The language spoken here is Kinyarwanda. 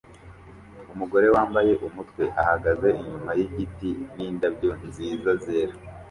Umugore wambaye umutwe ahagaze inyuma yigiti nindabyo nziza zera